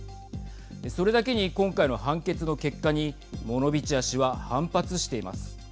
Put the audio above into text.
それだけに今回の判決の結果にモノビチア氏は反発しています。